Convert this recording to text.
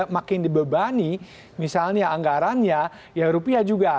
makin dibebani misalnya anggarannya ya rupiah juga